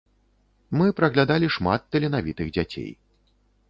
Мы праглядалі шмат таленавітых дзяцей.